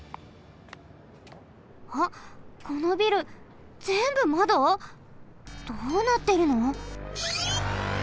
あっこのビルぜんぶまど！？どうなってるの？